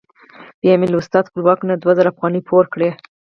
بیا مې له استاد خپلواک نه دوه زره افغانۍ پور کړې.